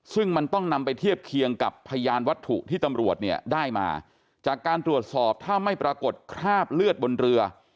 ซึ่งมันต้องนำไปเทียบเคียงกับพยานวัตถุที่ตำรวจเนี่ยได้มาจากการตรวจสอบถ้าไม่ปรากฏคราบเลือดบนเรือ